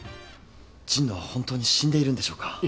神野はホントに死んでいるんでしょうか？